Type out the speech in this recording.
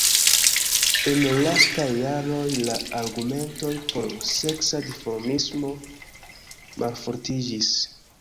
En lastaj jaroj la argumentoj por seksa dimorfismo malfortiĝis.